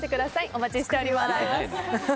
お待ちしております。